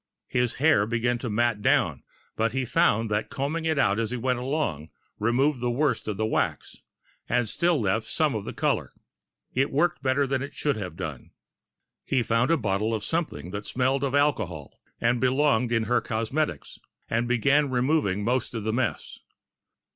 His hair began to mat down, but he found that combing it out as he went along removed the worst of the wax and still left some of the color. It worked better than it should have done. He found a bottle of something that smelled of alcohol and belonged in her cosmetics, and began removing most of the mess.